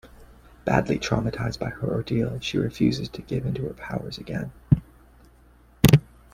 Badly traumatized by her ordeal, she refuses to give in to her powers again.